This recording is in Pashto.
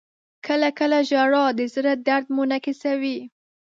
• کله کله ژړا د زړه درد منعکسوي.